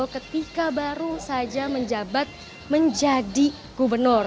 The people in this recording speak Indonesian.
ketika baru saja menjabat menjadi gubernur